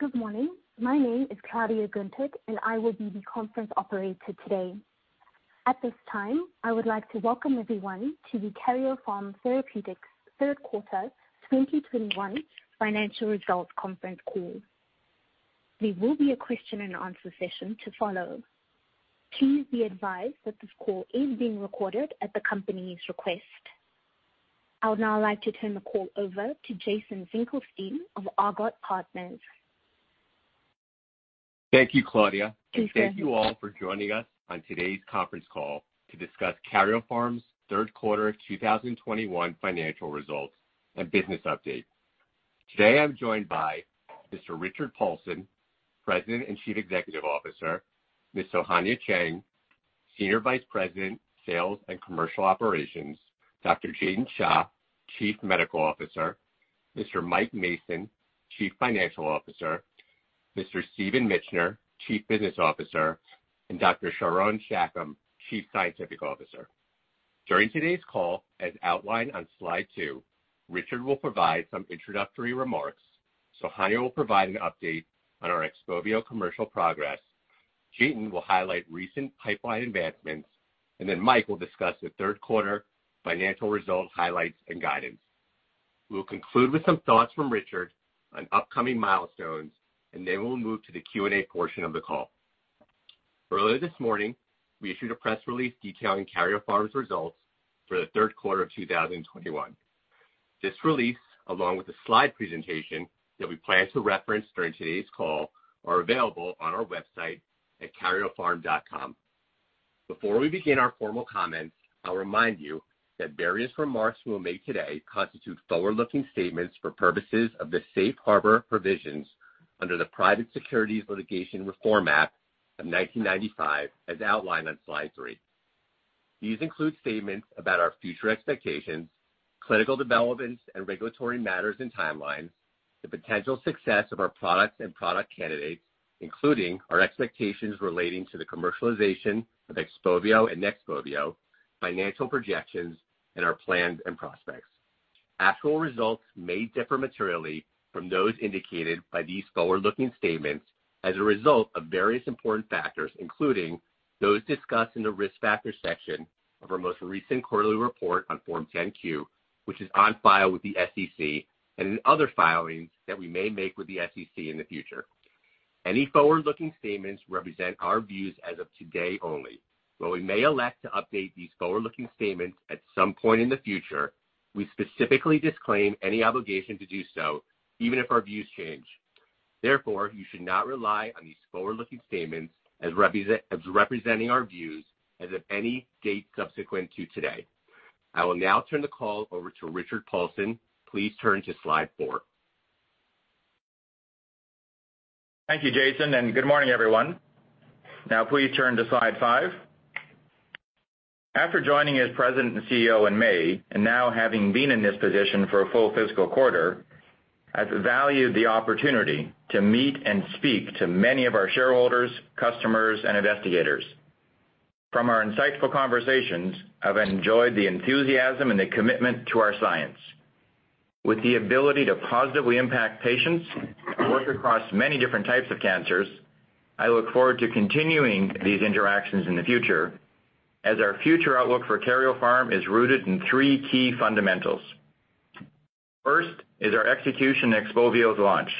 Good morning. My name is Claudia Gunter, and I will be the conference operator today. At this time, I would like to welcome everyone to the Karyopharm Therapeutics Third Quarter 2021 Financial Results Conference Call. There will be a question and answer session to follow. Please be advised that this call is being recorded at the company's request. I would now like to turn the call over to Jason Finkelstein of Argot Partners. Thank you, Claudia. Please go ahead. Thank you all for joining us on today's conference call to discuss Karyopharm's Third Quarter of 2021 Financial Results and Business Update. Today, I'm joined by Mr. Richard Paulson, President and Chief Executive Officer, Ms. Sohanya Cheng, Senior Vice President, Sales and Commercial Operations, Dr. Jatin Shah, Chief Medical Officer, Mr. Mike Mason, Chief Financial Officer, Mr. Stephen Mitchener, Chief Business Officer, and Dr. Sharon Shacham, Chief Scientific Officer. During today's call, as outlined on slide 2, Richard will provide some introductory remarks. Sohanya will provide an update on our XPOVIO commercial progress. Jatin will highlight recent pipeline advancements, and then Mike will discuss the third quarter financial results, highlights, and guidance. We will conclude with some thoughts from Richard on upcoming milestones, and then we'll move to the Q&A portion of the call. Earlier this morning, we issued a press release detailing Karyopharm's Results for the Third Quarter of 2021. This release, along with the slide presentation that we plan to reference during today's call, are available on our website at karyopharm.com. Before we begin our formal comments, I'll remind you that various remarks we'll make today constitute forward-looking statements for purposes of the safe harbor provisions under the Private Securities Litigation Reform Act of 1995, as outlined on slide 3. These include statements about our future expectations, clinical developments and regulatory matters and timelines, the potential success of our products and product candidates, including our expectations relating to the commercialization of XPOVIO and NEXPOVIO, financial projections, and our plans and prospects. Actual results may differ materially from those indicated by these forward-looking statements as a result of various important factors, including those discussed in the risk factor section of our most recent quarterly report on Form 10-Q, which is on file with the SEC and in other filings that we may make with the SEC in the future. Any forward-looking statements represent our views as of today only. While we may elect to update these forward-looking statements at some point in the future, we specifically disclaim any obligation to do so, even if our views change. Therefore, you should not rely on these forward-looking statements as representing our views as of any date subsequent to today. I will now turn the call over to Richard Paulson. Please turn to slide 4. Thank you, Jason, and good morning, everyone. Now, please turn to slide 5. After joining as President and CEO in May, and now having been in this position for a full fiscal quarter, I've valued the opportunity to meet and speak to many of our shareholders, customers, and investigators. From our insightful conversations, I've enjoyed the enthusiasm and the commitment to our science. With the ability to positively impact patients and work across many different types of cancers, I look forward to continuing these interactions in the future as our future outlook for Karyopharm is rooted in three key fundamentals. First is our execution of XPOVIO's launch.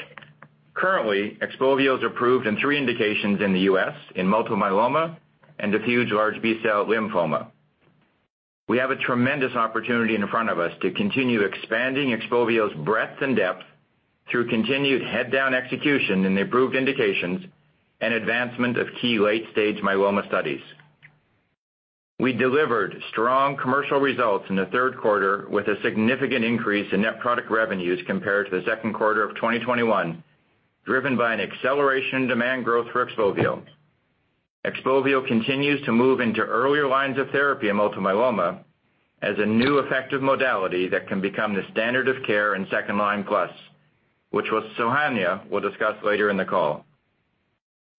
Currently, XPOVIO is approved in three indications in the U.S. in multiple myeloma and diffuse large B-cell lymphoma. We have a tremendous opportunity in front of us to continue expanding XPOVIO's breadth and depth through continued heads-down execution in the approved indications and advancement of key late-stage myeloma studies. We delivered strong commercial results in the third quarter with a significant increase in net product revenues compared to the second quarter of 2021, driven by an acceleration in demand growth for XPOVIO. XPOVIO continues to move into earlier lines of therapy in multiple myeloma as a new effective modality that can become the standard of care in second-line plus, which Sohanya will discuss later in the call.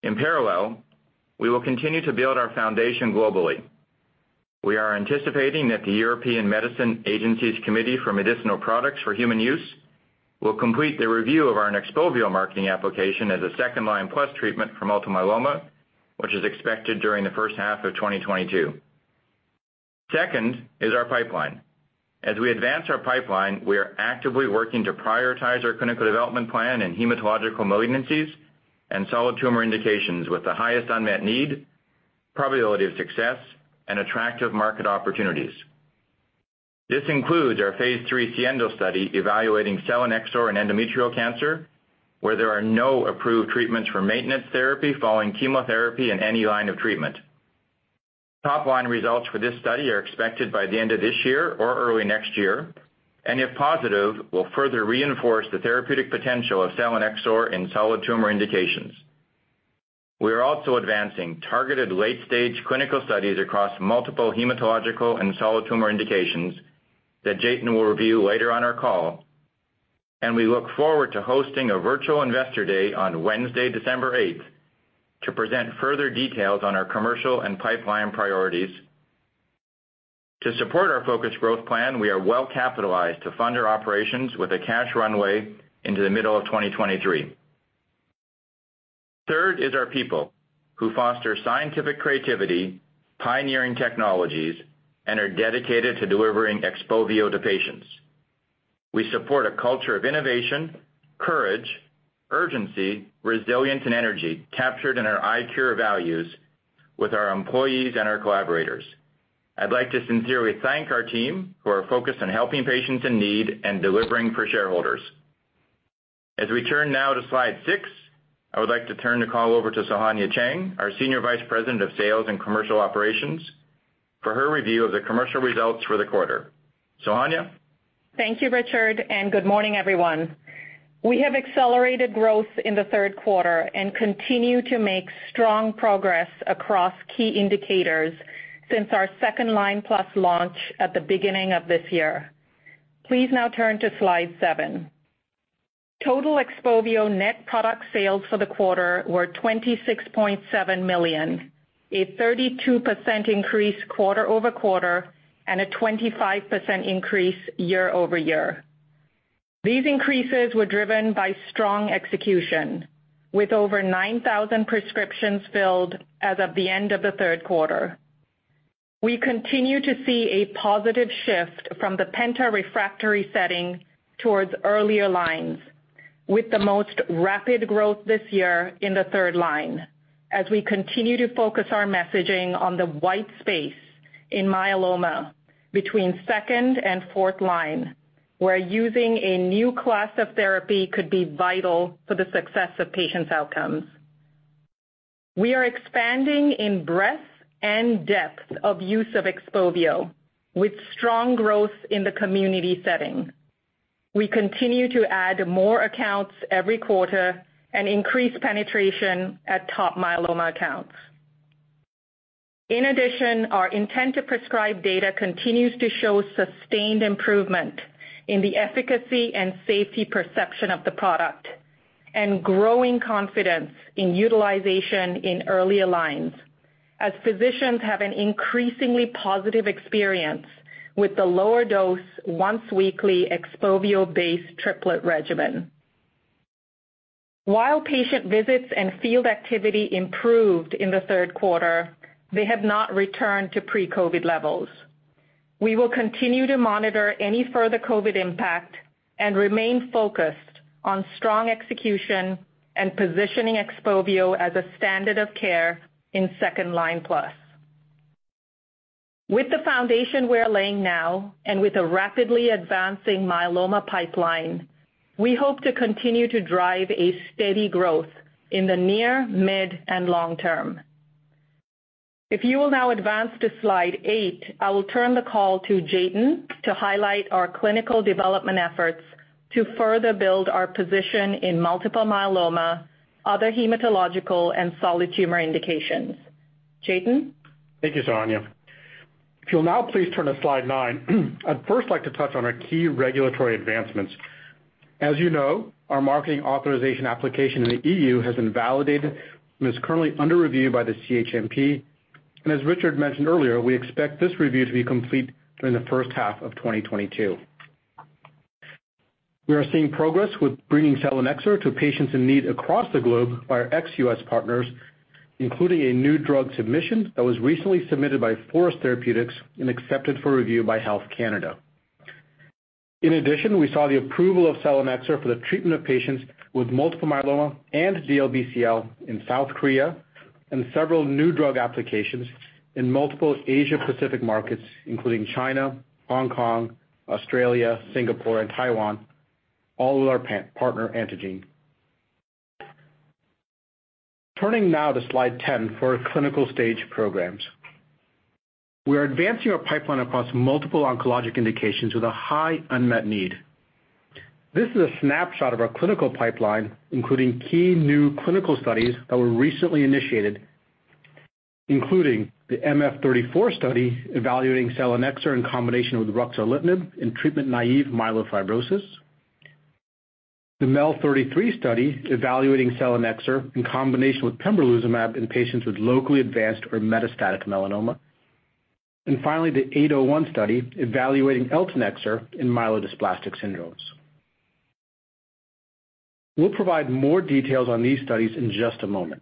In parallel, we will continue to build our foundation globally. We are anticipating that the European Medicines Agency's Committee for Medicinal Products for Human Use will complete their review of our NEXPOVIO marketing application as a second-line plus treatment for multiple myeloma, which is expected during the first half of 2022. Second is our pipeline. As we advance our pipeline, we are actively working to prioritize our clinical development plan in hematological malignancies and solid tumor indications with the highest unmet need, probability of success, and attractive market opportunities. This includes our phase III SIENDO study evaluating selinexor in endometrial cancer, where there are no approved treatments for maintenance therapy following chemotherapy in any line of treatment. Top line results for this study are expected by the end of this year or early next year, and if positive, will further reinforce the therapeutic potential of selinexor in solid tumor indications. We are also advancing targeted late-stage clinical studies across multiple hematological and solid tumor indications that Jatin will review later on our call. We look forward to hosting a virtual investor day on Wednesday, December eighth, to present further details on our commercial and pipeline priorities. To support our focused growth plan, we are well capitalized to fund our operations with a cash runway into the middle of 2023. Third is our people, who foster scientific creativity, pioneering technologies, and are dedicated to delivering XPOVIO to patients. We support a culture of innovation, courage, urgency, resilience, and energy captured in our ICURE values with our employees and our collaborators. I'd like to sincerely thank our team who are focused on helping patients in need and delivering for shareholders. As we turn now to slide 6, I would like to turn the call over to Sohanya Cheng, our Senior Vice President of Sales and Commercial Operations, for her review of the commercial results for the quarter. Sohanya. Thank you, Richard, and good morning, everyone. We have accelerated growth in the third quarter and continue to make strong progress across key indicators since our second-line-plus launch at the beginning of this year. Please now turn to slide 7. Total XPOVIO net product sales for the quarter were $26.7 million, a 32% increase quarter-over-quarter and a 25% increase year-over-year. These increases were driven by strong execution, with over 9,000 prescriptions filled as of the end of the third quarter. We continue to see a positive shift from the penta-refractory setting towards earlier lines, with the most rapid growth this year in the third line as we continue to focus our messaging on the white space in myeloma between second and fourth line, where using a new class of therapy could be vital for the success of patients' outcomes. We are expanding in breadth and depth of use of XPOVIO, with strong growth in the community setting. We continue to add more accounts every quarter and increase penetration at top myeloma accounts. In addition, our intent to prescribe data continues to show sustained improvement in the efficacy and safety perception of the product and growing confidence in utilization in earlier lines as physicians have an increasingly positive experience with the lower dose once-weekly XPOVIO-based triplet regimen. While patient visits and field activity improved in the third quarter, they have not returned to pre-COVID levels. We will continue to monitor any further COVID impact and remain focused on strong execution and positioning XPOVIO as a standard of care in second-line-plus. With the foundation we're laying now, and with a rapidly advancing myeloma pipeline, we hope to continue to drive a steady growth in the near, mid, and long term. If you will now advance to slide 8, I will turn the call to Jatin to highlight our clinical development efforts to further build our position in multiple myeloma, other hematological and solid tumor indications. Jatin? Thank you, Sohanya. If you'll now please turn to slide 9, I'd first like to touch on our key regulatory advancements. As you know, our marketing authorization application in the E.U. has been validated and is currently under review by the CHMP. As Richard mentioned earlier, we expect this review to be complete during the first half of 2022. We are seeing progress with bringing selinexor to patients in need across the globe by our ex-U.S. partners, including a new drug submission that was recently submitted by FORUS Therapeutics and accepted for review by Health Canada. In addition, we saw the approval of selinexor for the treatment of patients with multiple myeloma and DLBCL in South Korea and several new drug applications in multiple Asia-Pacific markets, including China, Hong Kong, Australia, Singapore, and Taiwan, all with our partner, Antengene. Turning now to slide 10 for our clinical stage programs. We are advancing our pipeline across multiple oncologic indications with a high unmet need. This is a snapshot of our clinical pipeline, including key new clinical studies that were recently initiated, including the MF-034 study evaluating selinexor in combination with ruxolitinib in treatment-naive myelofibrosis. The MEL-033 study evaluating selinexor in combination with pembrolizumab in patients with locally advanced or metastatic melanoma. Finally, the 801 study evaluating eltanexor in myelodysplastic syndromes. We'll provide more details on these studies in just a moment.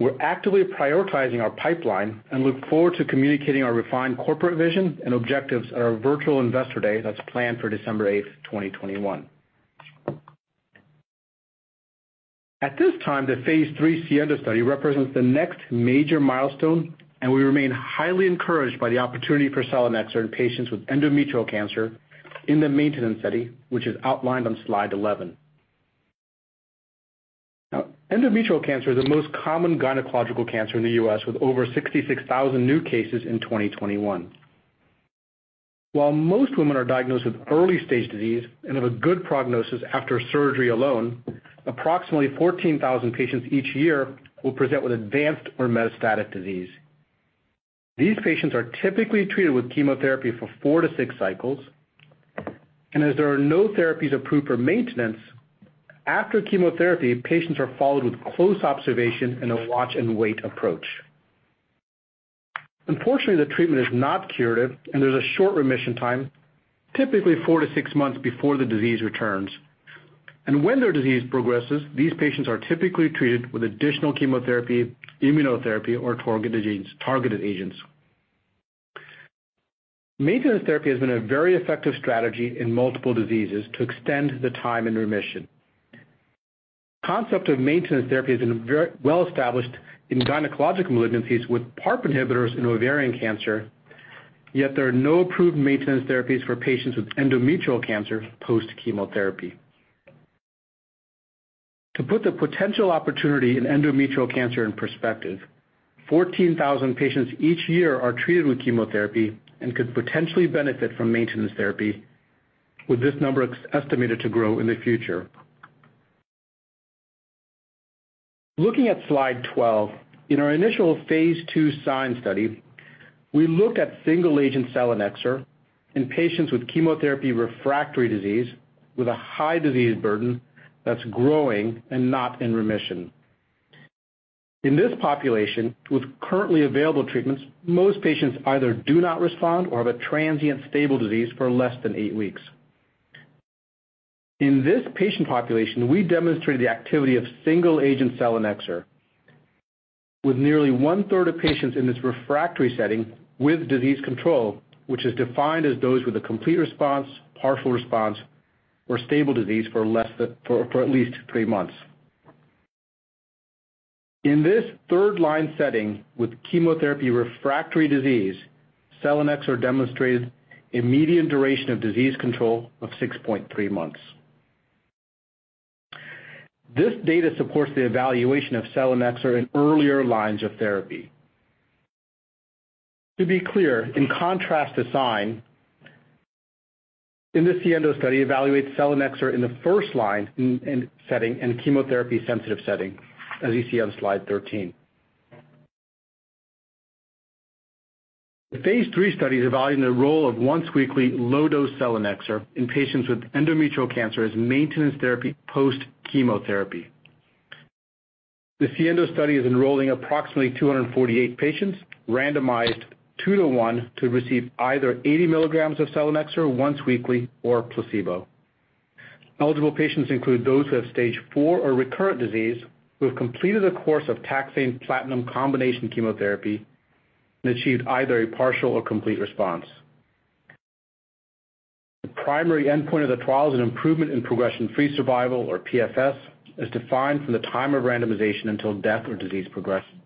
We're actively prioritizing our pipeline and look forward to communicating our refined corporate vision and objectives at our virtual Investor Day that's planned for December 8, 2021. At this time, the phase III SIENDO study represents the next major milestone, and we remain highly encouraged by the opportunity for selinexor in patients with endometrial cancer in the maintenance study, which is outlined on slide 11. Endometrial cancer is the most common gynecological cancer in the U.S., with over 66,000 new cases in 2021. While most women are diagnosed with early-stage disease and have a good prognosis after surgery alone, approximately 14,000 patients each year will present with advanced or metastatic disease. These patients are typically treated with chemotherapy for four to six cycles. As there are no therapies approved for maintenance, after chemotherapy, patients are followed with close observation and a watch and wait approach. The treatment is not curative and there's a short remission time, typically four to six months before the disease returns. When their disease progresses, these patients are typically treated with additional chemotherapy, immunotherapy or targeted agents. Maintenance therapy has been a very effective strategy in multiple diseases to extend the time in remission. The concept of maintenance therapy has been very well established in gynecologic malignancies with PARP inhibitors in ovarian cancer, yet there are no approved maintenance therapies for patients with endometrial cancer post-chemotherapy. To put the potential opportunity in endometrial cancer in perspective, 14,000 patients each year are treated with chemotherapy and could potentially benefit from maintenance therapy, with this number estimated to grow in the future. Looking at slide 12, in our initial phase II SIGN study, we looked at single agent selinexor in patients with chemotherapy refractory disease with a high disease burden that's growing and not in remission. In this population with currently available treatments, most patients either do not respond or have a transient stable disease for less than eight weeks. In this patient population, we demonstrated the activity of single-agent selinexor with nearly one-third of patients in this refractory setting with disease control, which is defined as those with a complete response, partial response or stable disease for at least three months. In this third-line setting with chemotherapy refractory disease, selinexor demonstrated a median duration of disease control of 6.3 months. This data supports the evaluation of selinexor in earlier lines of therapy. To be clear, in contrast to SIGN, in the SIENDO study evaluates selinexor in the first-line setting and chemotherapy-sensitive setting, as you see on slide 13. The phase III study is evaluating the role of once-weekly low-dose selinexor in patients with endometrial cancer as maintenance therapy post chemotherapy. The SIENDO study is enrolling approximately 248 patients randomized two to one to receive either 80 mg of selinexor once weekly or placebo. Eligible patients include those who have stage 4 or recurrent disease who have completed a course of taxane platinum combination chemotherapy and achieved either a partial or complete response. The primary endpoint of the trial is an improvement in progression-free survival, or PFS, as defined from the time of randomization until death or disease progression.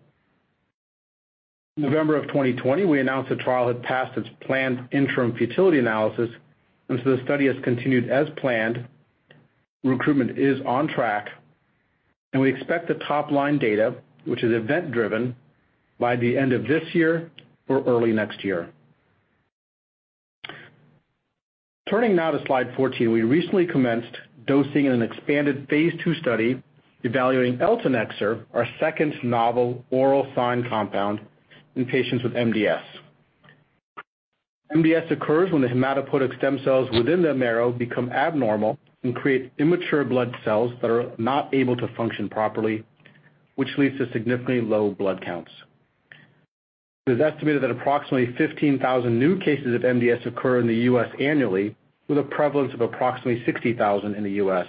November 2020, we announced the trial had passed its planned interim futility analysis, and so the study has continued as planned. Recruitment is on track and we expect the top line data, which is event-driven, by the end of this year or early next year. Turning now to slide 14, we recently commenced dosing in an expanded phase II study evaluating eltanexor, our second novel oral SINE compound in patients with MDS. MDS occurs when the hematopoietic stem cells within the marrow become abnormal and create immature blood cells that are not able to function properly, which leads to significantly low blood counts. It is estimated that approximately 15,000 new cases of MDS occur in the U.S. annually, with a prevalence of approximately 60,000 in the U.S.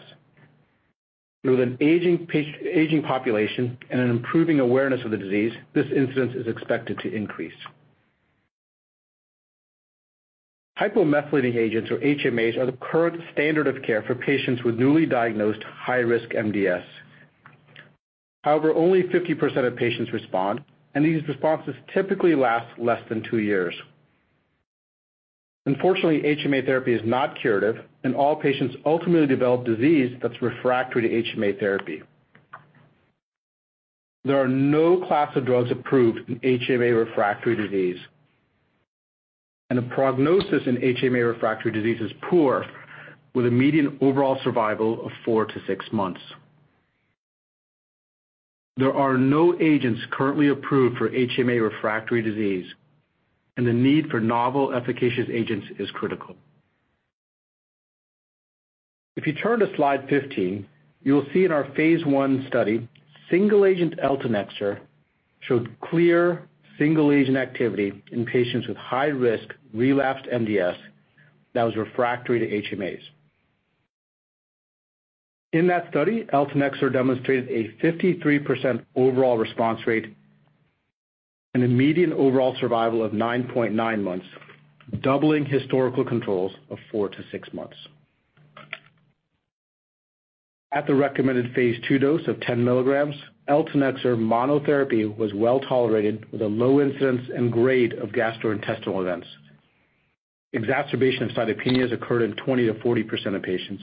With an aging population and an improving awareness of the disease, this incidence is expected to increase. Hypomethylating agents, or HMAs, are the current standard of care for patients with newly diagnosed high risk MDS. However, only 50% of patients respond, and these responses typically last less than two years. Unfortunately, HMA therapy is not curative, and all patients ultimately develop disease that's refractory to HMA therapy. There are no class of drugs approved in HMA refractory disease, and a prognosis in HMA refractory disease is poor with a median overall survival of 4-6 months. There are no agents currently approved for HMA refractory disease, and the need for novel efficacious agents is critical. If you turn to slide 15, you will see in our phase I study, single agent eltanexor showed clear single agent activity in patients with high risk relapsed MDS that was refractory to HMAs. In that study, eltanexor demonstrated a 53% overall response rate and a median overall survival of 9.9 months, doubling historical controls of 4-6 months. At the recommended phase II dose of 10 mg, eltanexor monotherapy was well tolerated with a low incidence and grade of gastrointestinal events. Exacerbation of cytopenias occurred in 20%-40% of patients.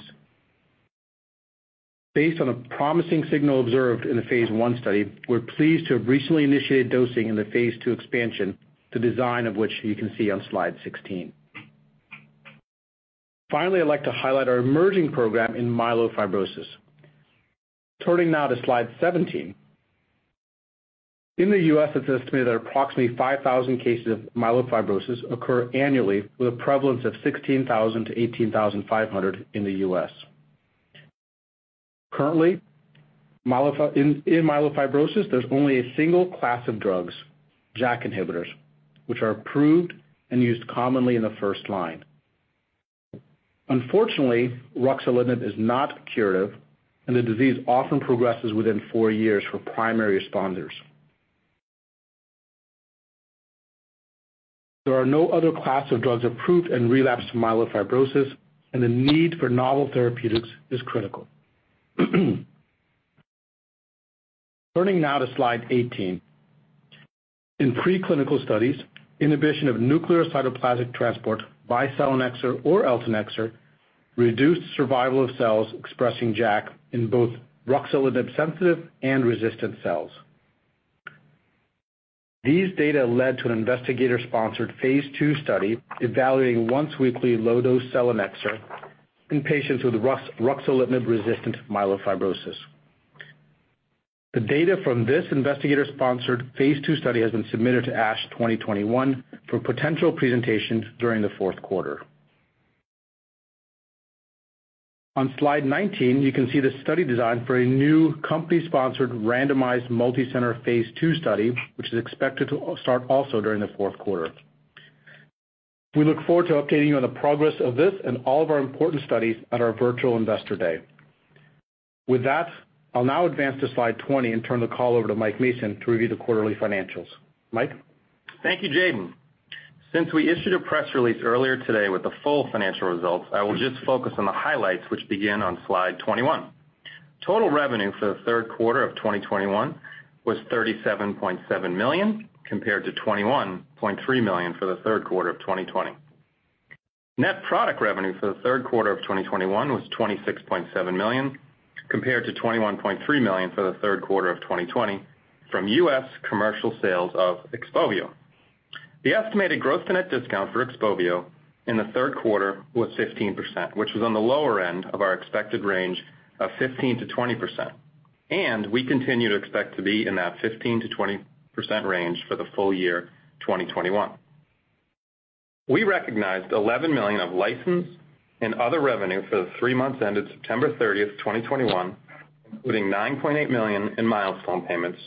Based on a promising signal observed in the phase I study, we're pleased to have recently initiated dosing in the phase II expansion, the design of which you can see on slide 16. Finally, I'd like to highlight our emerging program in myelofibrosis. Turning now to slide 17. In the U.S., it's estimated that approximately 5,000 cases of myelofibrosis occur annually with a prevalence of 16,000-18,500 in the U.S. Currently, in myelofibrosis, there's only a single class of drugs, JAK inhibitors, which are approved and used commonly in the first line. Unfortunately, ruxolitinib is not curative, and the disease often progresses within four years for primary responders. There are no other class of drugs approved in relapsed myelofibrosis, and the need for novel therapeutics is critical. Turning now to slide 18. In preclinical studies, inhibition of nuclear cytoplasmic transport by selinexor or eltanexor reduced survival of cells expressing JAK in both ruxolitinib-sensitive and resistant cells. These data led to an investigator-sponsored phase II study evaluating once-weekly low-dose selinexor in patients with ruxolitinib-resistant myelofibrosis. The data from this investigator-sponsored phase II study has been submitted to ASH 2021 for potential presentations during the fourth quarter. On slide 19, you can see the study design for a new company-sponsored randomized multi-center phase II study, which is expected to start also during the fourth quarter. We look forward to updating you on the progress of this and all of our important studies at our virtual investor day. With that, I'll now advance to slide 20 and turn the call over to Mike Mason to review the quarterly financials. Mike. Thank you, Jatin. Since we issued a press release earlier today with the full financial results, I will just focus on the highlights, which begin on slide 21. Total revenue for the third quarter of 2021 was $37.7 million, compared to $21.3 million for the third quarter of 2020. Net product revenue for the third quarter of 2021 was $26.7 million, compared to $21.3 million for the third quarter of 2020 from U.S. commercial sales of XPOVIO. The estimated gross-to-net discount for XPOVIO in the third quarter was 15%, which was on the lower end of our expected range of 15%-20%, and we continue to expect to be in that 15%-20% range for the full year 2021. We recognized $11 million of license and other revenue for the three months ended September 30, 2021, including $9.8 million in milestone payments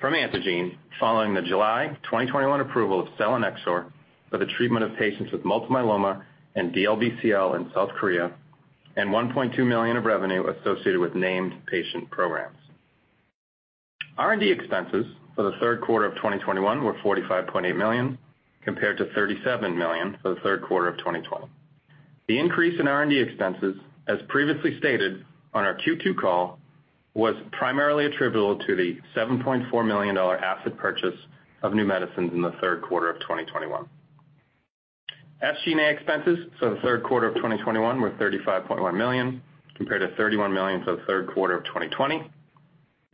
from Antengene following the July 2021 approval of selinexor for the treatment of patients with multiple myeloma and DLBCL in South Korea, and $1.2 million of revenue associated with named patient programs. R&D expenses for the third quarter of 2021 were $45.8 million, compared to $37 million for the third quarter of 2020. The increase in R&D expenses, as previously stated on our Q2 call, was primarily attributable to the $7.4 million asset purchase of new medicines in the third quarter of 2021. SG&A expenses for the third quarter of 2021 were $35.1 million, compared to $31 million for the third quarter of 2020.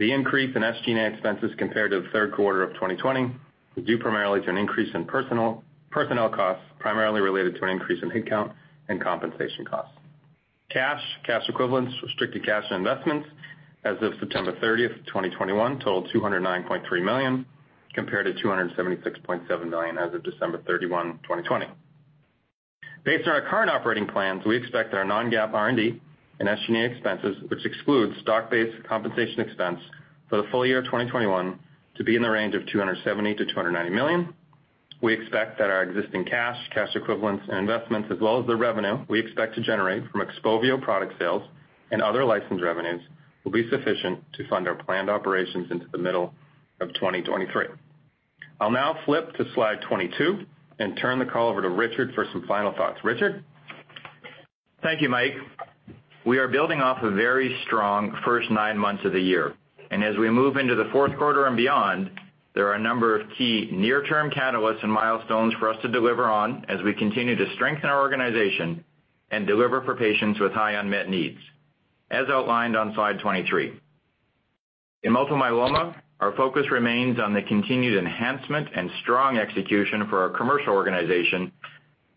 The increase in SG&A expenses compared to the third quarter of 2020 was due primarily to an increase in personnel costs, primarily related to an increase in head count and compensation costs. Cash, cash equivalents, restricted cash and investments as of September 30, 2021 totaled $209.3 million, compared to $276.7 million as of December 31, 2020. Based on our current operating plans, we expect our non-GAAP R&D and SG&A expenses, which excludes stock-based compensation expense for the full year of 2021 to be in the range of $270 million-$290 million. We expect that our existing cash equivalents and investments, as well as the revenue we expect to generate from XPOVIO product sales and other license revenues, will be sufficient to fund our planned operations into the middle of 2023. I'll now flip to slide 22 and turn the call over to Richard for some final thoughts. Richard? Thank you, Mike. We are building off a very strong first nine months of the year, and as we move into the fourth quarter and beyond, there are a number of key near-term catalysts and milestones for us to deliver on as we continue to strengthen our organization and deliver for patients with high unmet needs, as outlined on slide 23. In multiple myeloma, our focus remains on the continued enhancement and strong execution for our commercial organization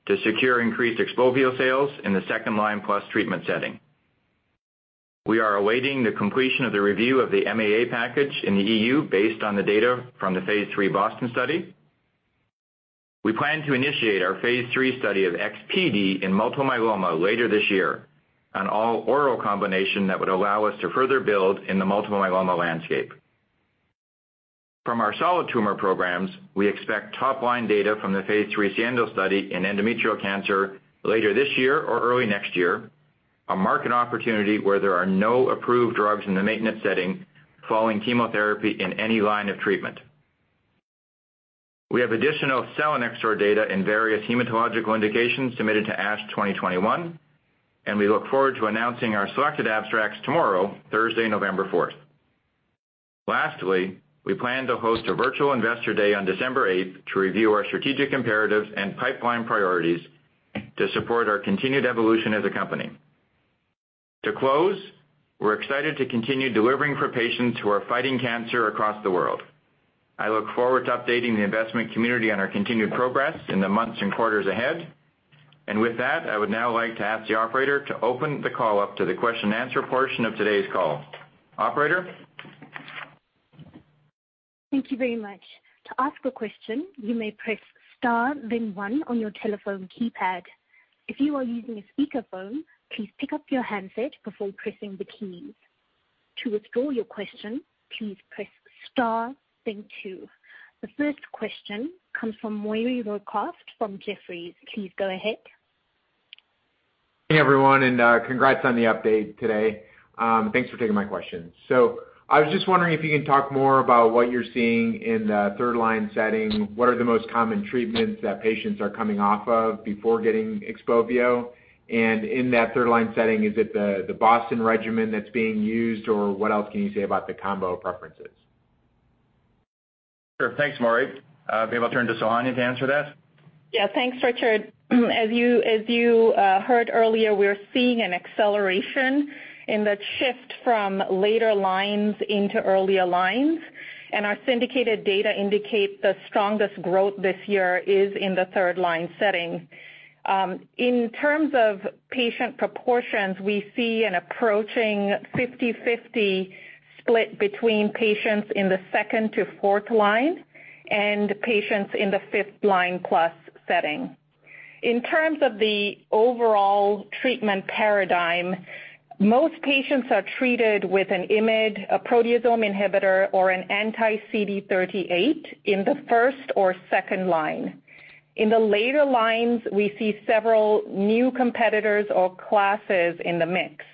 to secure increased XPOVIO sales in the second-line plus treatment setting. We are awaiting the completion of the review of the MAA package in the EU based on the data from the phase III BOSTON study. We plan to initiate our phase III study of SPd in multiple myeloma later this year, an all-oral combination that would allow us to further build in the multiple myeloma landscape. From our solid tumor programs, we expect top-line data from the phase III SIENDO study in endometrial cancer later this year or early next year, a market opportunity where there are no approved drugs in the maintenance setting following chemotherapy in any line of treatment. We have additional selinexor data in various hematological indications submitted to ASH 2021, and we look forward to announcing our selected abstracts tomorrow, Thursday, November fourth. Lastly, we plan to host a virtual investor day on December eighth to review our strategic imperatives and pipeline priorities to support our continued evolution as a company. To close, we're excited to continue delivering for patients who are fighting cancer across the world. I look forward to updating the investment community on our continued progress in the months and quarters ahead. With that, I would now like to ask the operator to open the call up to the question-and-answer portion of today's call. Operator? Thank you very much. To ask a question, you may press star then one on your telephone keypad. If you are using a speakerphone, please pick up your handset before pressing the keys. To withdraw your question, please press star then two. The first question comes from Maury Raycroft from Jefferies. Please go ahead. Hey, everyone, and congrats on the update today. Thanks for taking my question. I was just wondering if you can talk more about what you're seeing in the third-line setting. What are the most common treatments that patients are coming off of before getting XPOVIO? In that third-line setting, is it the BOSTON regimen that's being used, or what else can you say about the combo preferences? Sure. Thanks, Maury. Maybe I'll turn to Sohanya to answer that. Yeah. Thanks, Richard. As you heard earlier, we are seeing an acceleration in the shift from later lines into earlier lines, and our syndicated data indicate the strongest growth this year is in the third line setting. In terms of patient proportions, we see an approaching 50/50 split between patients in the second to fourth line and patients in the fifth line plus setting. In terms of the overall treatment paradigm, most patients are treated with an IMID, a proteasome inhibitor, or an anti-CD38 in the first or second line. In the later lines, we see several new competitors or classes in the mix.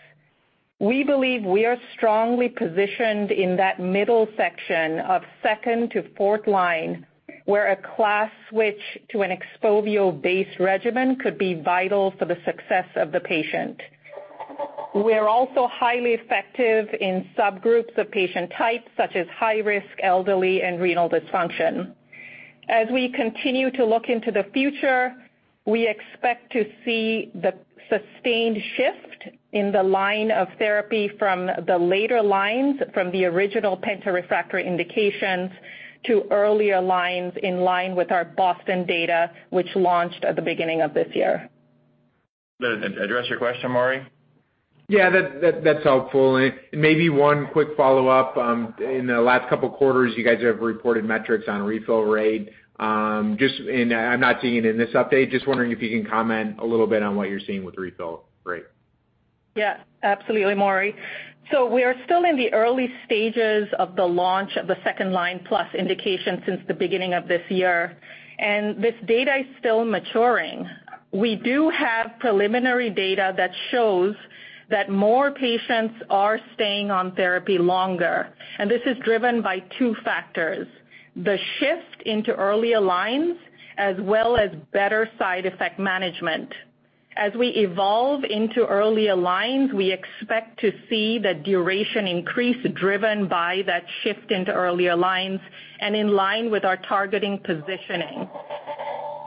We believe we are strongly positioned in that middle section of second to fourth line, where a class switch to an XPOVIO-based regimen could be vital for the success of the patient. We are also highly effective in subgroups of patient types such as high risk, elderly, and renal dysfunction. As we continue to look into the future, we expect to see the sustained shift in the line of therapy from the later lines from the original penta-refractory indications to earlier lines in line with our BOSTON data, which launched at the beginning of this year. Does that address your question, Maury? Yeah. That's helpful. Maybe one quick follow-up. In the last couple quarters, you guys have reported metrics on refill rate. I'm not seeing it in this update, just wondering if you can comment a little bit on what you're seeing with refill rate. Yeah. Absolutely, Maury. We are still in the early stages of the launch of the second line plus indication since the beginning of this year, and this data is still maturing. We do have preliminary data that shows that more patients are staying on therapy longer, and this is driven by two factors, the shift into earlier lines as well as better side effect management. As we evolve into earlier lines, we expect to see the duration increase driven by that shift into earlier lines and in line with our targeting positioning.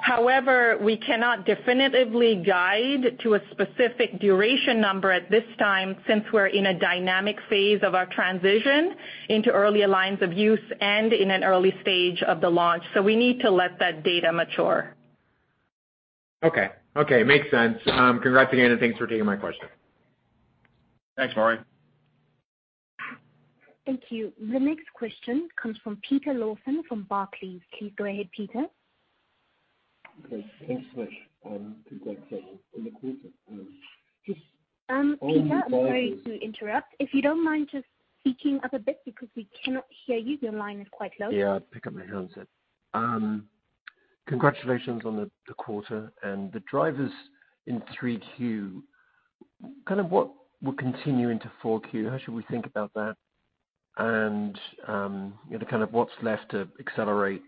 However, we cannot definitively guide to a specific duration number at this time since we're in a dynamic phase of our transition into earlier lines of use and in an early stage of the launch. We need to let that data mature. Okay. Makes sense. Congrats again, and thanks for taking my question. Thanks, Maury. Thank you. The next question comes from Peter Lawson from Barclays. Please go ahead, Peter. Okay. Thanks so much. Congrats on the quarter. Peter, I'm sorry to interrupt, if you don't mind just speaking up a bit because we cannot hear you. Your line is quite low. Yeah, I'll pick up my handset. Congratulations on the quarter. The drivers in 3Q, kind of what will continue into 4Q? How should we think about that? You know, kind of what's left to accelerate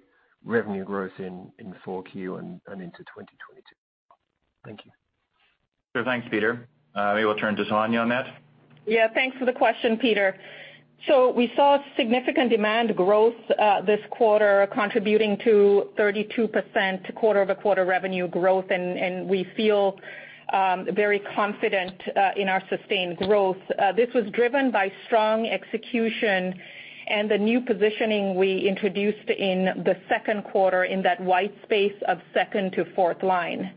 revenue growth in 4Q and into 2022? Thank you. Thanks, Peter. Maybe we'll turn to Sohanya on that. Yeah. Thanks for the question, Peter. We saw significant demand growth this quarter contributing to 32% quarter-over-quarter revenue growth, and we feel very confident in our sustained growth. This was driven by strong execution and the new positioning we introduced in the second quarter in that wide space of second- to fourth-line.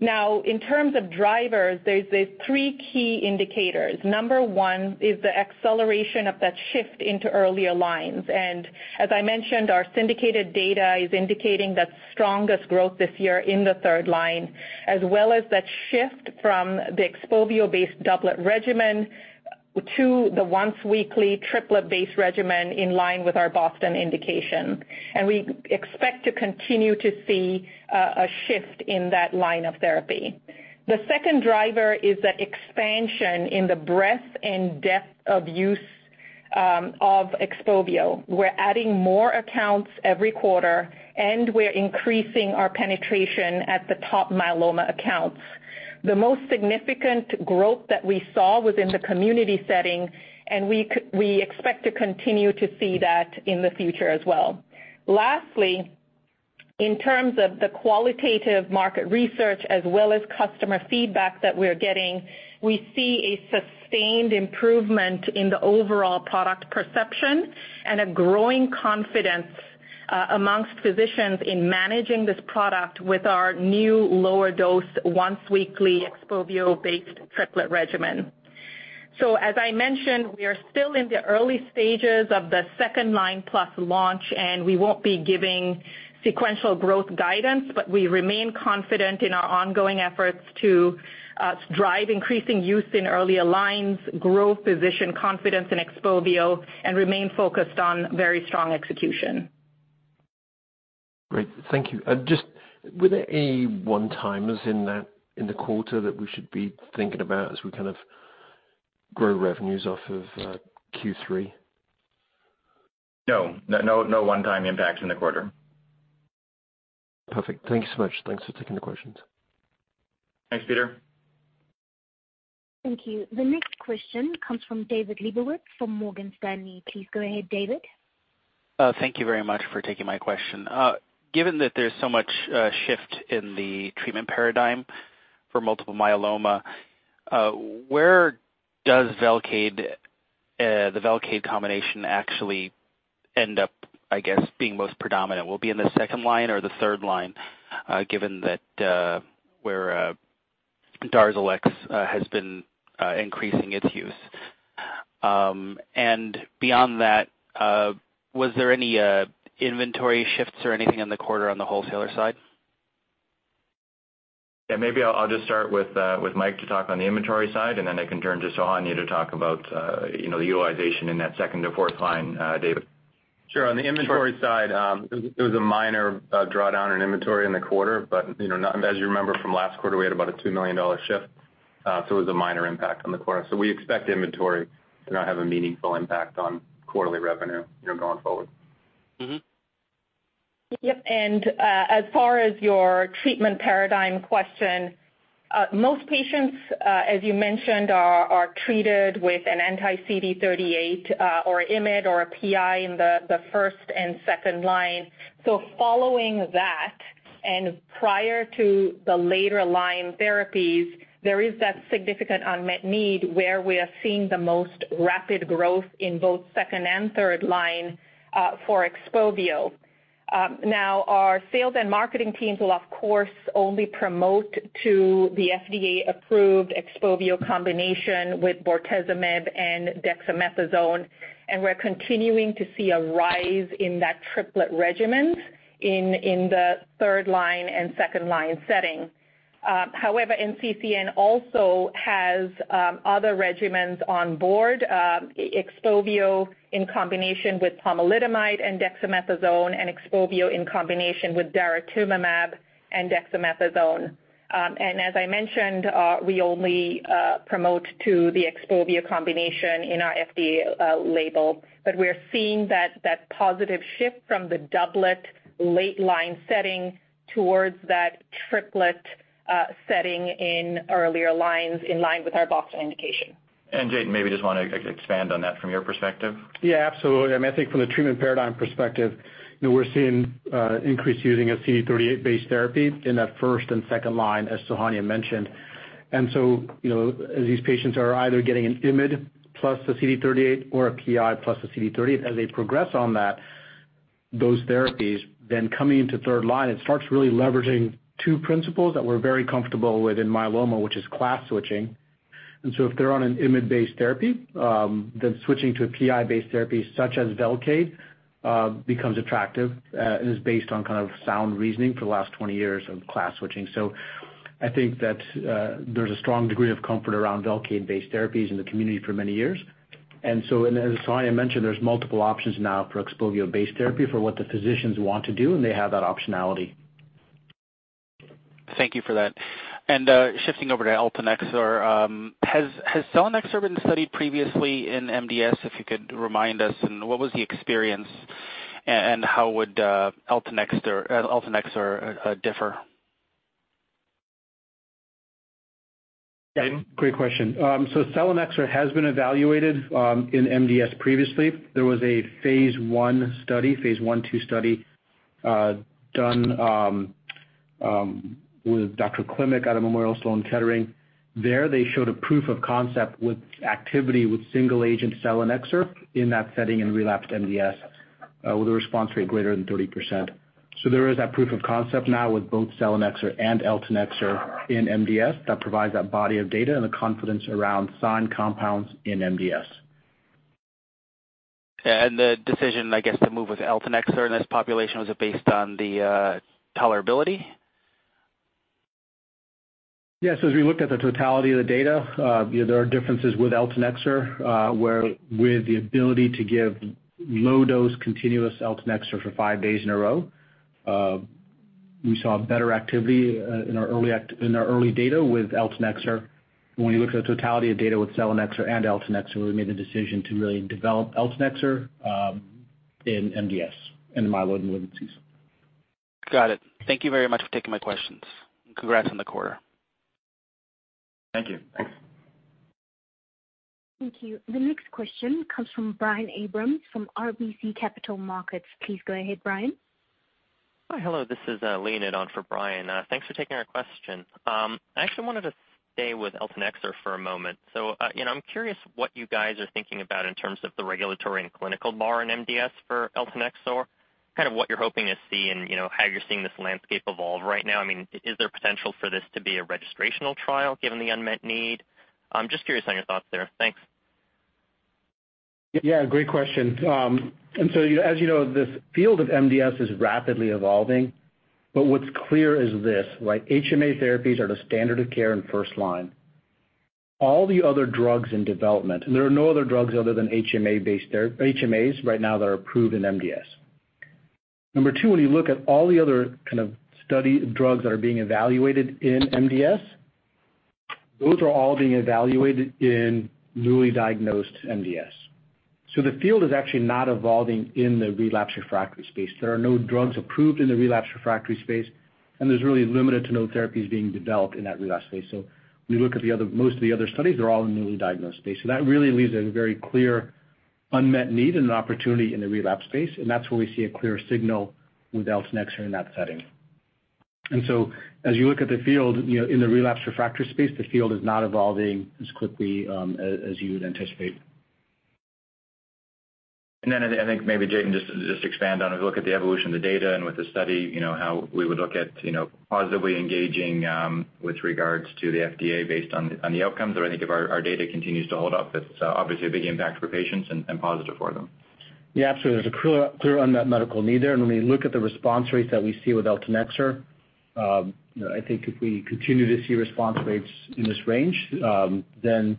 Now, in terms of drivers, there's three key indicators. Number one is the acceleration of that shift into earlier lines. As I mentioned, our syndicated data is indicating the strongest growth this year in the third line, as well as that shift from the XPOVIO-based doublet regimen to the once-weekly triplet-based regimen in line with our BOSTON indication. We expect to continue to see a shift in that line of therapy. The second driver is the expansion in the breadth and depth of use of XPOVIO. We're adding more accounts every quarter, and we're increasing our penetration at the top myeloma accounts. The most significant growth that we saw was in the community setting, and we expect to continue to see that in the future as well. Lastly, in terms of the qualitative market research as well as customer feedback that we're getting, we see a sustained improvement in the overall product perception and a growing confidence amongst physicians in managing this product with our new lower dose once weekly XPOVIO-based triplet regimen. As I mentioned, we are still in the early stages of the second line plus launch, and we won't be giving sequential growth guidance, but we remain confident in our ongoing efforts to drive increasing use in earlier lines, grow physician confidence in XPOVIO and remain focused on very strong execution. Great, thank you. Just were there any one-timers in that, in the quarter that we should be thinking about as we kind of grow revenues off of Q3? No one-time impact in the quarter. Perfect. Thank you so much. Thanks for taking the questions. Thanks, Peter. Thank you. The next question comes from David Lebowitz from Morgan Stanley. Please go ahead, David. Thank you very much for taking my question. Given that there's so much shift in the treatment paradigm for multiple myeloma, where does Velcade, the Velcade combination actually end up, I guess, being most predominant? Will it be in the second line or the third line, given that where Darzalex has been increasing its use? And beyond that, was there any inventory shifts or anything in the quarter on the wholesaler side? Yeah, maybe I'll just start with Mike to talk on the inventory side, and then I can turn to Sohanya to talk about, you know, utilization in that second to fourth line, David. Sure. On the inventory side, it was a minor drawdown in inventory in the quarter, but you know. As you remember from last quarter, we had about a $2 million shift, so it was a minor impact on the quarter. We expect inventory to not have a meaningful impact on quarterly revenue, you know, going forward. Mm-hmm. Yep. As far as your treatment paradigm question, most patients, as you mentioned, are treated with an anti-CD38, or IMID or a PI in the first and second line. Following that, and prior to the later line therapies, there is that significant unmet need where we are seeing the most rapid growth in both second and third line for XPOVIO. Now our sales and marketing teams will of course only promote the FDA-approved XPOVIO combination with bortezomib and dexamethasone, and we're continuing to see a rise in that triplet regimen in the third line and second line setting. However, NCCN also has other regimens on board, XPOVIO in combination with pomalidomide and dexamethasone, and XPOVIO in combination with daratumumab and dexamethasone. As I mentioned, we only promote to the XPOVIO combination in our FDA label, but we're seeing that positive shift from the doublet late line setting towards that triplet setting in earlier lines, in line with our broad indication. Jatin, maybe just wanna expand on that from your perspective. Yeah, absolutely. I mean, I think from the treatment paradigm perspective, you know, we're seeing increased use of CD38-based therapy in that first and second line, as Sohanya mentioned. You know, as these patients are either getting an IMID plus a CD38 or a PI plus a CD38, as they progress on that, those therapies then coming into third line, it starts really leveraging two principles that we're very comfortable with in myeloma, which is class switching. If they're on an IMID-based therapy, then switching to a PI-based therapy such as Velcade becomes attractive, and is based on kind of sound reasoning for the last 20 years of class switching. I think that there's a strong degree of comfort around Velcade-based therapies in the community for many years. As Sohanya mentioned, there's multiple options now for XPOVIO-based therapy for what the physicians want to do, and they have that optionality. Thank you for that. Shifting over to eltanexor, has selinexor been studied previously in MDS, if you could remind us, and what was the experience and how would eltanexor differ? Jatin? Great question. Selinexor has been evaluated in MDS previously. There was a phase I study, phase I/II study done with Dr. Klimek out of Memorial Sloan Kettering. There they showed a proof of concept with activity with single-agent selinexor in that setting in relapsed MDS with a response rate greater than 30%. There is that proof of concept now with both selinexor and eltanexor in MDS that provides that body of data and the confidence around SINE compounds in MDS. The decision, I guess, to move with eltanexor in this population, was it based on the tolerability? Yes. As we looked at the totality of the data, you know, there are differences with eltanexor, where with the ability to give low dose continuous eltanexor for five days in a row, we saw better activity in our early data with eltanexor. When you look at the totality of data with selinexor and eltanexor, we made the decision to really develop eltanexor in MDS, in the myeloid malignancies. Got it. Thank you very much for taking my questions, and congrats on the quarter. Thank you. Thanks. Thank you. The next question comes from Brian Abrahams from RBC Capital Markets. Please go ahead, Brian. Hi. Hello, this is Leon in for Brian. Thanks for taking our question. I actually wanted to stay with eltanexor for a moment. You know, I'm curious what you guys are thinking about in terms of the regulatory and clinical bar in MDS for eltanexor, kind of what you're hoping to see and, you know, how you're seeing this landscape evolve right now. I mean, is there potential for this to be a registrational trial given the unmet need? I'm just curious on your thoughts there. Thanks. Yeah, great question. As you know, this field of MDS is rapidly evolving, but what's clear is this, like, HMA therapies are the standard of care in first line. All the other drugs in development, and there are no other drugs other than HMA-based HMAs right now that are approved in MDS. Number two, when you look at all the other kind of study drugs that are being evaluated in MDS, those are all being evaluated in newly diagnosed MDS. The field is actually not evolving in the relapse refractory space. There are no drugs approved in the relapse refractory space, and there's really limited to no therapies being developed in that relapse space. When you look at most of the other studies, they're all in newly diagnosed space. that really leaves a very clear unmet need and an opportunity in the relapse space, and that's where we see a clear signal with eltanexor in that setting. As you look at the field, you know, in the relapse refractory space, the field is not evolving as quickly as you would anticipate. I think maybe Jatin can just expand on, as we look at the evolution of the data and with the study, you know, how we would look at, you know, positively engaging, with regards to the FDA based on the outcomes. I think if our data continues to hold up, it's obviously a big impact for patients and positive for them. Yeah, absolutely. There's a clear unmet medical need there. When we look at the response rates that we see with eltanexor, you know, I think if we continue to see response rates in this range, then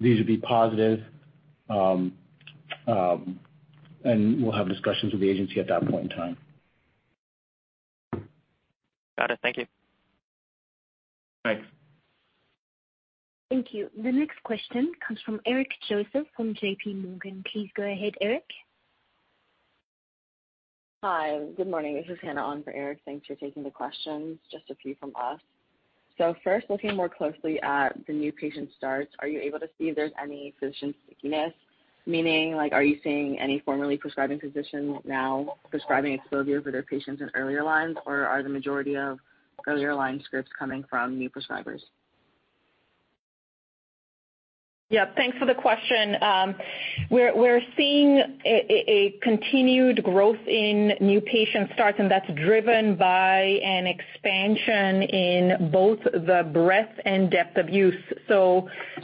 these would be positive, and we'll have discussions with the agency at that point in time. Got it. Thank you. Thanks. Thank you. The next question comes from Eric Joseph from JPMorgan. Please go ahead, Eric. Hi. Good morning. This is Anna on for Eric. Thanks for taking the questions, just a few from us. First, looking more closely at the new patient starts, are you able to see if there's any physician stickiness? Meaning, like, are you seeing any formerly prescribing physicians now prescribing XPOVIO for their patients in earlier lines, or are the majority of earlier line scripts coming from new prescribers? Yeah, thanks for the question. We're seeing a continued growth in new patient starts, and that's driven by an expansion in both the breadth and depth of use.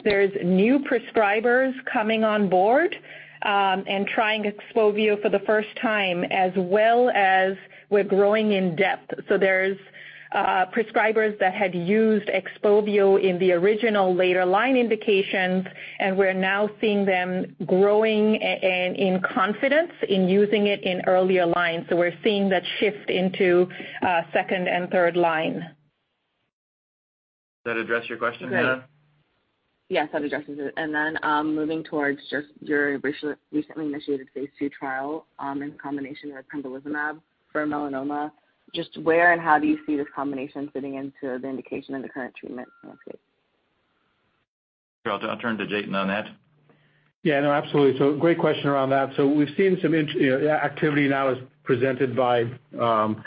There's new prescribers coming on board, and trying XPOVIO for the first time, as well as we're growing in depth. There's prescribers that had used XPOVIO in the original later line indications, and we're now seeing them growing and in confidence in using it in earlier lines. We're seeing that shift into second and third line. Does that address your question, Anna? Great. Yes, that addresses it. Moving towards just your recent, recently initiated phase II trial in combination with pembrolizumab for melanoma, just where and how do you see this combination fitting into the indication in the current treatment landscape? Sure. I'll turn to Jatin on that. Yeah, no, absolutely. Great question around that. We've seen some you know, activity now as presented by the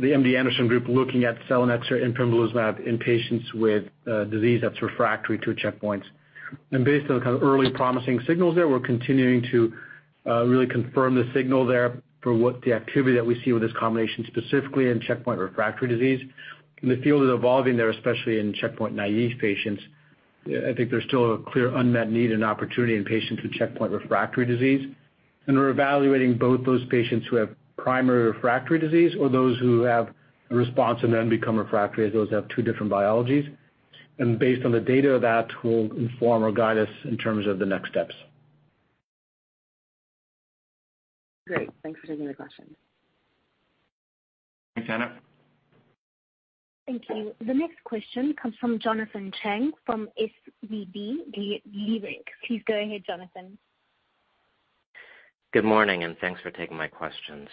MD Anderson group looking at selinexor and pembrolizumab in patients with disease that's refractory to checkpoints. Based on kind of early promising signals there, we're continuing to really confirm the signal there for what the activity that we see with this combination, specifically in checkpoint refractory disease. The field is evolving there, especially in checkpoint naive patients. I think there's still a clear unmet need and opportunity in patients with checkpoint refractory disease. We're evaluating both those patients who have primary refractory disease or those who have a response and then become refractory, as those have two different biologies. Based on the data that will inform or guide us in terms of the next steps. Great. Thanks for taking the question. Thanks, Anna. Thank you. The next question comes from Jonathan Chang from SVB Leerink. Please go ahead, Jonathan. Good morning, and thanks for taking my questions.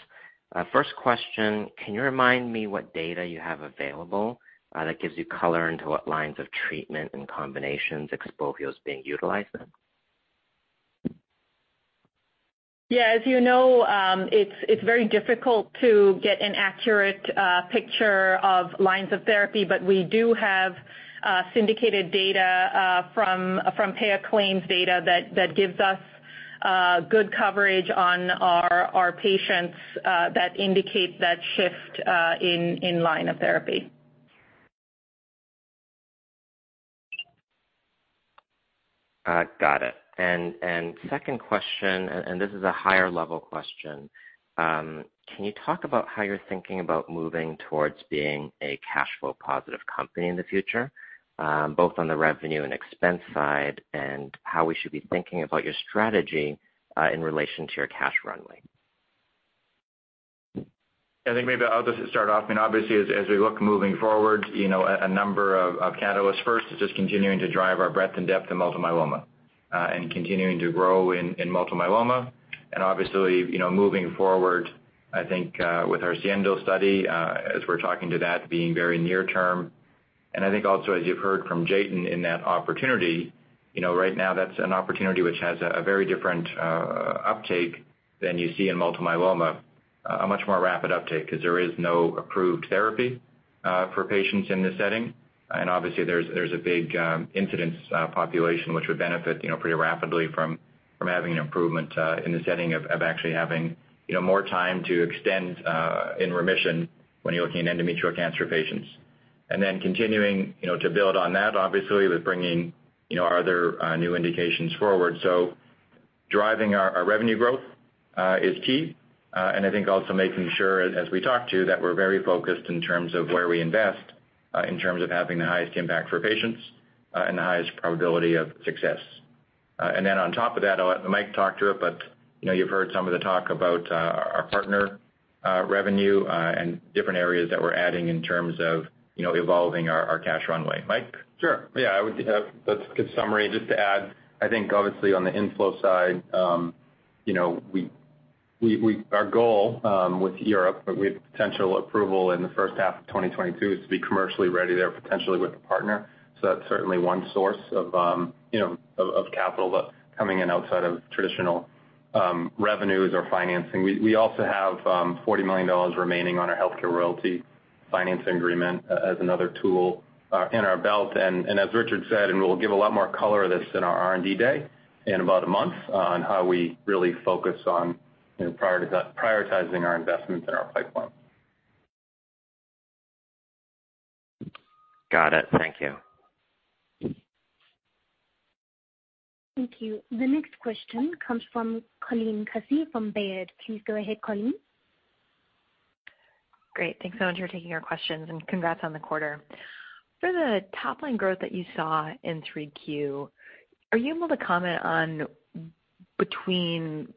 First question, can you remind me what data you have available, that gives you color into what lines of treatment and combinations XPOVIO is being utilized in? Yeah. As you know, it's very difficult to get an accurate picture of lines of therapy, but we do have syndicated data from payer claims data that gives us good coverage on our patients that indicate that shift in line of therapy. Got it. Second question, this is a higher level question. Can you talk about how you're thinking about moving towards being a cash flow positive company in the future, both on the revenue and expense side, and how we should be thinking about your strategy, in relation to your cash runway? I think maybe I'll just start off. I mean, obviously as we look moving forward, you know, a number of catalysts. First is just continuing to drive our breadth and depth in multiple myeloma, and continuing to grow in multiple myeloma. Obviously, you know, moving forward, I think, with our SIENDO study, as we're talking to that being very near term. I think also as you've heard from Jatin in that opportunity, you know, right now that's an opportunity which has a very different uptake than you see in multiple myeloma, a much more rapid uptake 'cause there is no approved therapy, for patients in this setting. Obviously, there's a big incidence population which would benefit, you know, pretty rapidly from having an improvement in the setting of actually having, you know, more time to extend in remission when you're looking at endometrial cancer patients. Then continuing, you know, to build on that obviously with bringing, you know, other new indications forward. Driving our revenue growth is key, and I think also making sure as we talk to you that we're very focused in terms of where we invest in terms of having the highest impact for patients and the highest probability of success. On top of that, I'll let Mike talk to it, but you know, you've heard some of the talk about our partner revenue and different areas that we're adding in terms of you know evolving our cash runway. Mike? Sure. Yeah, that's a good summary. Just to add, I think obviously on the inflow side you know our goal with Europe with potential approval in the first half of 2022 is to be commercially ready there potentially with a partner. So that's certainly one source of you know of capital coming in outside of traditional revenues or financing. We also have $40 million remaining on our healthcare royalty financing agreement as another tool in our belt. As Richard said, we'll give a lot more color on our R&D day in about a month on how we really focus on, you know, prioritizing our investments in our pipeline. Got it. Thank you. Thank you. The next question comes from Colleen Kusy from Baird. Please go ahead, Colleen. Great. Thanks so much for taking our questions, and congrats on the quarter. For the top line growth that you saw in 3Q, are you able to comment on between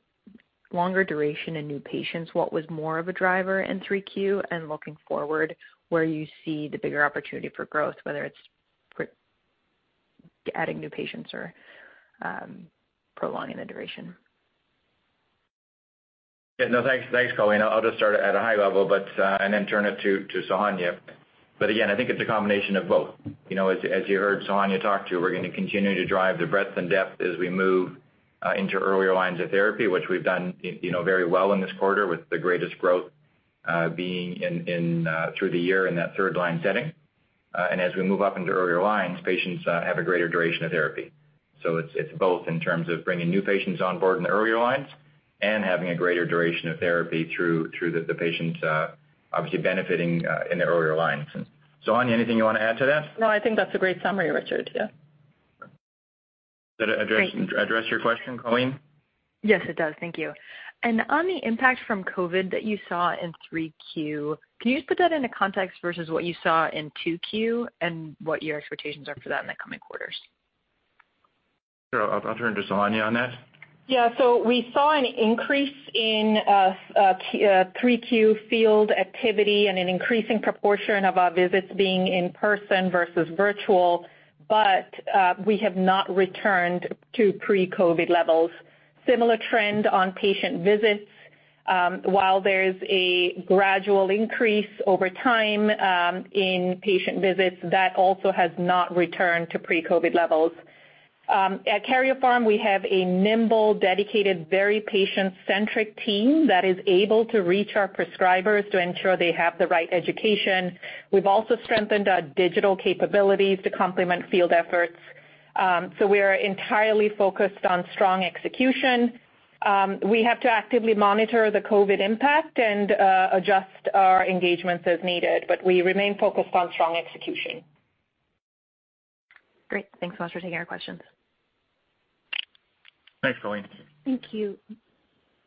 longer duration and new patients, what was more of a driver in 3Q, and looking forward, where you see the bigger opportunity for growth, whether it's adding new patients or prolonging the duration? Yeah. No, thanks, Colleen. I'll just start at a high level, but and then turn it to Sohanya. But again, I think it's a combination of both. You know, as you heard Sohanya talk to, we're gonna continue to drive the breadth and depth as we move into earlier lines of therapy, which we've done, you know, very well in this quarter with the greatest growth being in through the year in that third line setting. And as we move up into earlier lines, patients have a greater duration of therapy. So it's both in terms of bringing new patients on board in the earlier lines and having a greater duration of therapy through the patients obviously benefiting in the earlier lines. Sohanya, anything you wanna add to that? No, I think that's a great summary, Richard. Yeah. Did that address? Great. Address your question, Colleen? Yes, it does. Thank you. On the impact from COVID that you saw in 3Q, can you just put that into context versus what you saw in 2Q and what your expectations are for that in the coming quarters? Sure. I'll turn to Sohanya on that. Yeah. We saw an increase in 3Q field activity and an increasing proportion of our visits being in person versus virtual, but we have not returned to pre-COVID levels. Similar trend on patient visits. While there's a gradual increase over time in patient visits, that also has not returned to pre-COVID levels. At Karyopharm, we have a nimble, dedicated, very patient-centric team that is able to reach our prescribers to ensure they have the right education. We've also strengthened our digital capabilities to complement field efforts. We are entirely focused on strong execution. We have to actively monitor the COVID impact and adjust our engagements as needed, but we remain focused on strong execution. Great. Thanks so much for taking our questions. Thanks, Colleen. Thank you.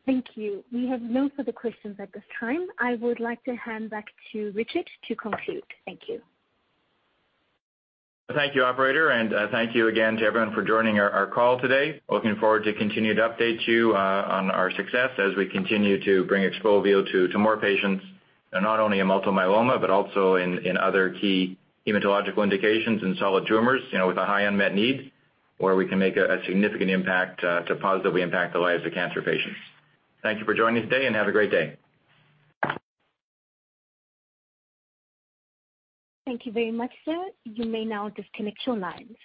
Thank you. We have no further questions at this time. I would like to hand back to Richard to conclude. Thank you. Thank you, operator, and thank you again to everyone for joining our call today. Looking forward to continue to update you on our success as we continue to bring XPOVIO to more patients, and not only in multiple myeloma, but also in other key hematological indications in solid tumors, you know, with a high unmet need, where we can make a significant impact to positively impact the lives of cancer patients. Thank you for joining today, and have a great day. Thank you very much, sir. You may now disconnect your lines.